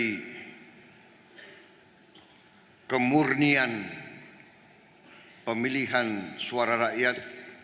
mengenai kemurnian pemilihan suara rakyat